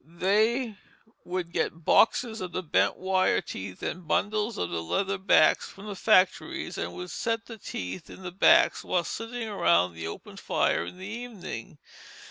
They would get boxes of the bent wire teeth and bundles of the leather backs from the factories and would set the teeth in the backs while sitting around the open fire in the evening.